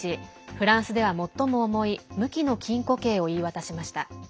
フランスでは最も重い無期の禁錮刑を言い渡しました。